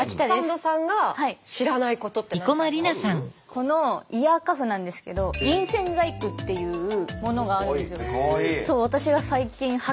このイヤーカフなんですけど銀線細工っていうものがあるんですよ。